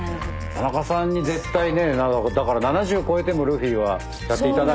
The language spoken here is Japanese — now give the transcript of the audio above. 田中さんに絶対ねだから７０超えてもルフィはやっていただかないと。